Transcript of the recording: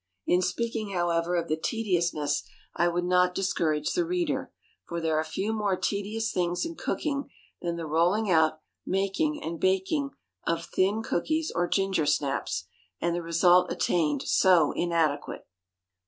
In speaking, however, of the tediousness I would not discourage the reader, for there are few more tedious things in cooking than the rolling out, making, and baking of thin cookies or ginger snaps, and the result attained so inadequate.